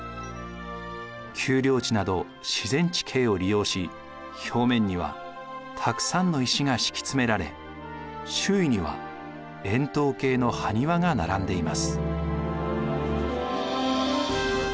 丘陵地など自然地形を利用し表面にはたくさんの石が敷き詰められ周囲には円筒形の埴輪が並んでいます。